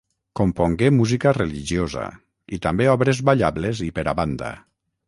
Compongué música religiosa, i també obres ballables i per a banda.